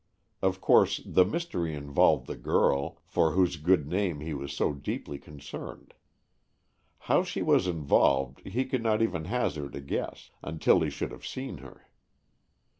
Of course the mystery involved the girl, for whose good name he was so deeply concerned. How she was involved he could not even hazard a guess until he should have seen her.